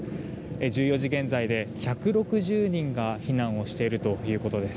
１４時現在で１６０人が避難をしているということです。